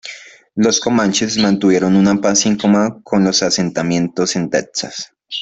Los comanches mantuvieron una paz incomoda con los asentamientos en Texas.